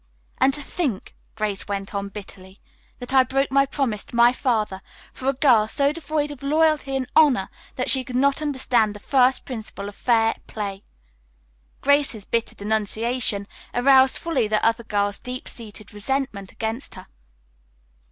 "And to think," Grace went on bitterly, "that I broke my promise to my father for a girl so devoid of loyalty and honor that she could not understand the first principle of fair play!" Grace's bitter denunciation aroused fully the other girl's deep seated resentment against her.